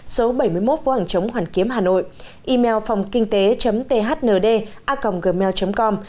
số bảy mươi một vũ hằng chống hoàn kiếm hà nội email phongkinhtế thnda gmail com